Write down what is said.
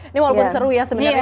ini walaupun seru ya sebenarnya